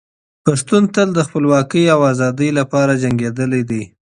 پښتون تل د خپلواکۍ او ازادۍ لپاره جنګېدلی دی.